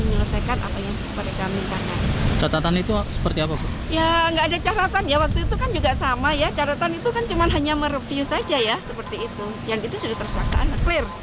yang itu sudah tersuasana